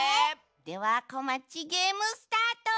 では「こまちゲーム」スタート！